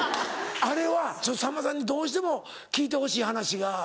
あれは「さんまさんにどうしても聞いてほしい話が。